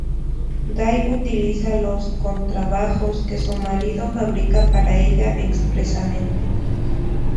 Day utiliza los contrabajos que su marido fabrica para ella expresamente.